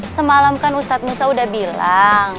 semalam kan ustadz musau udah bilang